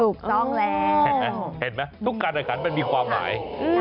ถูกต้องแล้วเห็นไหมทุกการแข่งขันมันมีความหมาย